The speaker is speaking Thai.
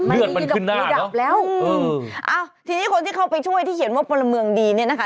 เลือดมันขึ้นหน้าเนอะอืมเอ้าทีนี้คนที่เขาไปช่วยที่เขียนว่าประเมิงดีเนี้ยนะคะ